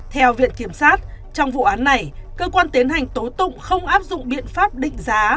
theo viện kiểm sát trong vụ án này cơ quan tiến hành tố tụng không áp dụng biện pháp định giá